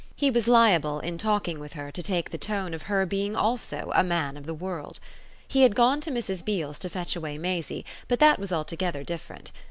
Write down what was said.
He was liable in talking with her to take the tone of her being also a man of the world. He had gone to Mrs. Beale's to fetch away Maisie, but that was altogether different.